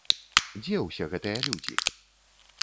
Дзе ўсе гэтыя людзі?